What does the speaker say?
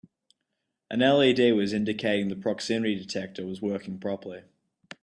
An LED was indicating the proximity detector was working properly.